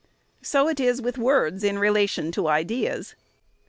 So it is with words in relation to ideas.